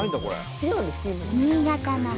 違うんです。